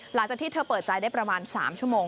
หลังจากที่เธอเปิดใจได้ประมาณ๓ชั่วโมง